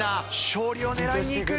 勝利を狙いにいく！